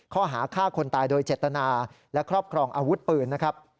ข้อหาฆ่าคนตายโดยเจตนาและครอบครองอาวุธปืนนะครับ